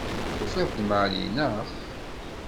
Tufiḍ-d Mary, naɣ?